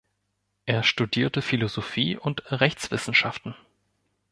Er studierte Philosophie und die Rechtswissenschaften.